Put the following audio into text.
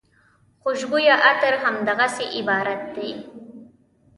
خوشبویه عطر همدغسې عبارت دی.